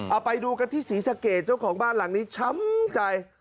เอาไปดูกันที่ศรีสะเกดเจ้าของบ้านหลังนี้ช้ำใจ